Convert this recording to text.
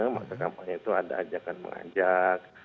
masa kampanye itu ada ajakan mengajak